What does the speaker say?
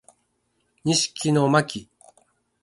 西木野真姫